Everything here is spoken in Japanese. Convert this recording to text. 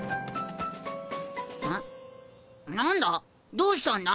どうしたんだ？